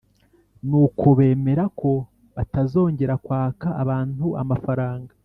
Nuko bemera ko batazongera kwaka abantu amafaranga